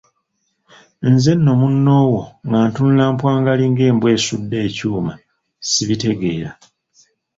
Nze nno munnoowo nga ntunula mpwangali ng'embwa esudde ekyuma ssibitegeera.